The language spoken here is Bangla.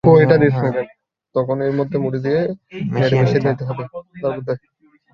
তখনই এর মধ্যে মুড়ি দিয়ে নেড়ে মিশিয়ে নিতে হবে।